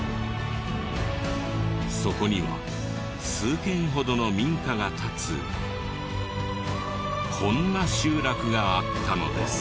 そこには数軒ほどの民家が立つこんな集落があったのです。